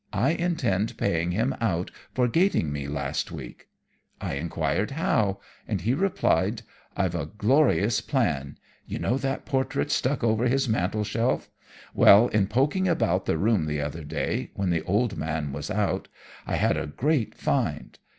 I intend paying him out for 'gating' me last week." I enquired how, and he replied: "I've a glorious plan. You know that portrait stuck over his mantel shelf? Well! In poking about the room the other day, when the old man was out, I had a great find.